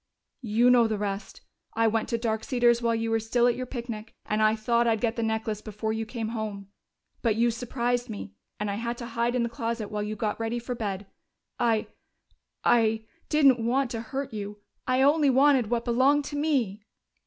"You know the rest. I went to Dark Cedars while you were still at your picnic, and I thought I'd get the necklace before you came home. But you surprised me, and I had to hide in the closet while you got ready for bed.... I I didn't want to hurt you! I only wanted what belonged to me!"